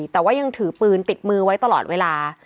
แต่ว่ายังถือปืนติดมือไว้ตลอดเวลา